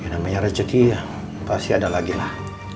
namanya rezeki ya pasti ada lagi lah